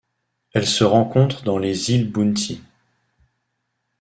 Elle se rencontre dans les îles Bounty.